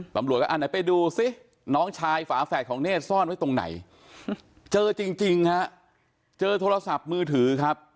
ตำรวจก็อันไหนไปดูซิน้องชายฝาแฝดของเนธซ่อนไว้ตรงไหนเจอจริงฮะเจอโทรศัพท์มือถือครับ